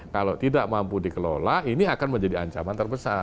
kalau tidak mampu dikelola ini akan menjadi ancaman terbesar